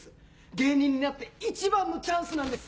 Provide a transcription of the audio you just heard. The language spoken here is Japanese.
芸人になって一番のチャンスなんです！